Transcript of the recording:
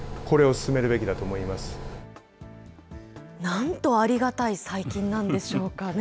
なんとありがたい細菌なんでしょうかね。